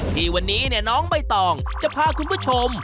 ที่วันนี้น้องใบตองจะพาคุณผู้ชม